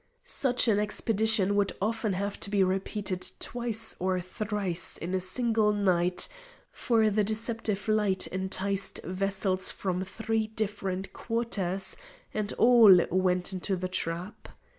Such an expedition would often have to be repeated twice or thrice in a single night, for the deceptive light enticed vessels from three different quarters, and all went into the trap.